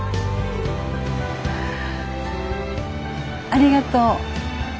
ありがとう。